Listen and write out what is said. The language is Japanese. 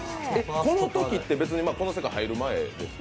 このときって、この世界入る前ですか。